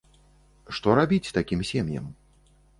Што рабіць такім сем'ям?